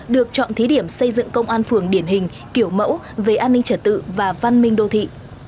được chọn thí điểm xây dựng công an phường điển hình kiểu mẫu về an ninh trật tự và văn minh đô thị